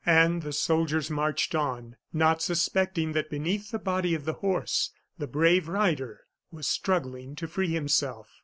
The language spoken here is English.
And the soldiers marched on, not suspecting that beneath the body of the horse the brave rider was struggling to free himself.